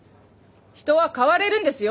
人は変われるんですよ。